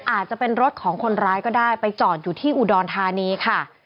อาจจะเป็นรถของคนร้ายก็ได้ไปจอดอยู่ที่อุดรธานีค่ะ